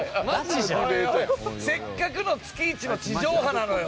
せっかくの月１の地上波なのよ。